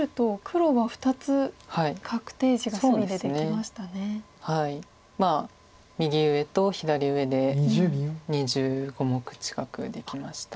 まあ右上と左上で２５目近くできました。